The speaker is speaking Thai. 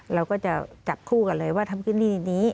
เราก็จะจับคู่กันเลยว่าทำกินหนี้นี้